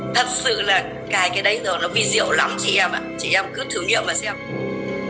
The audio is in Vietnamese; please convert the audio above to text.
thật sự là cái cái đấy nó vi diệu lắm chị em ạ chị em cứ thử nghiệm mà xem